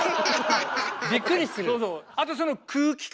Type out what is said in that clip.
びっくりする？